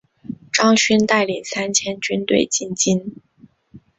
张勋带领三千军队进京。